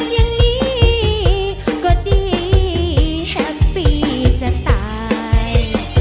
อย่างนี้ก็ดีแฮปปี้จะตาย